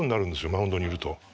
マウンドにいると。